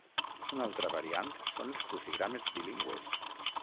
Una altra variant són els crucigrames bilingües.